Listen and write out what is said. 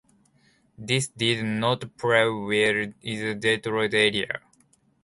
This did not play well in the Detroit area.